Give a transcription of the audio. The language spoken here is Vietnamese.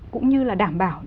cũng như là đảm bảo